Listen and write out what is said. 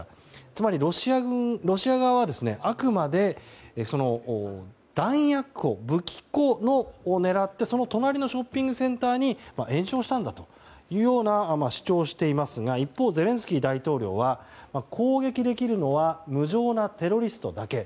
つまりロシア側はあくまで弾薬庫、武器庫を狙ってその隣のショッピングセンターに延焼したんだというような主張していますが一方、ゼレンスキー大統領は攻撃できるのは無情なテロリストだけ。